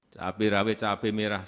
cabai rawit cabai merah